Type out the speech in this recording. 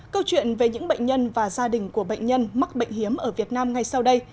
câu chuyện về những bệnh nhân và gia đình của bệnh nhân mắc bệnh hiếm ở việt nam ngay sau đây